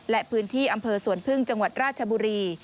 และพื้นที่อำเภอสวนพึ่งจังหวัดราชบุรี